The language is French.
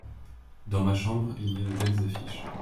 Dans ma chambre il y a de belles affiches.